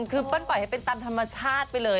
คือเปิ้ลปล่อยให้เป็นตามธรรมชาติไปเลย